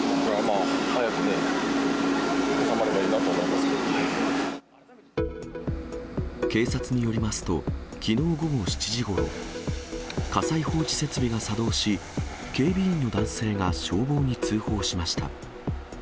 早くね、警察によりますと、きのう午後７時ごろ、火災報知設備が作動し、警備員の男性が消防に通報しました。